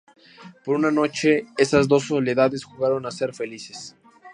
Por una noche, esas dos soledades jugaron a ser felices.